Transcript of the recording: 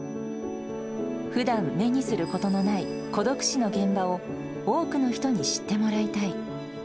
ふだん目にすることのない孤独死の現場を、多くの人に知ってもらいたい。